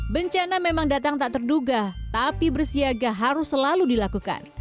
bencana memang datang tak terduga tapi bersiaga harus selalu dilakukan